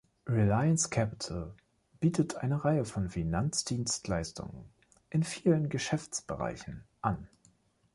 Reliance Capital bietet eine Reihe von Finanzdienstleistungen in vielen Geschäftsbereichen an.